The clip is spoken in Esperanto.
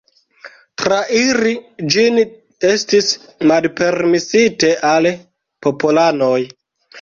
Trairi ĝin estis malpermesite al popolanoj.